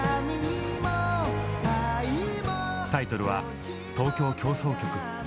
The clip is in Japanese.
タイトルは「東京協奏曲」。